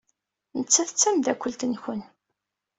Nettat d tameddakelt-nwen.